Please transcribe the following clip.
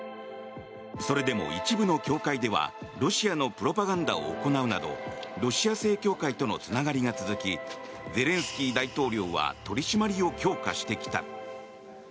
それでも一部の教会ではロシアのプロパガンダを行うなどロシア正教会とのつながりが続きゼレンスキー大統領は取り締まりを強化してきた。